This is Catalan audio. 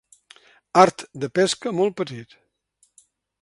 Art de pesca molt petit.